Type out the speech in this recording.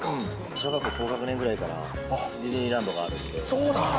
小学校高学年くらいからディズニーランドがあるんで。